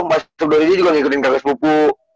masuk dua hari juga ngikutin kaget spuku